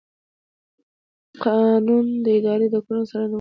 قانون د ادارې د کړنو څارنه ممکنوي.